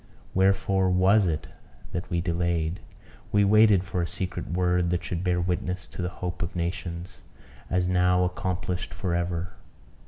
Wherefore was it that we delayed? We waited for a secret word, that should bear witness to the hope of nations, as now accomplished for ever.